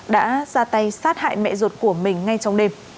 đã ra tay sát hại mẹ ruột của mình ngay trong đêm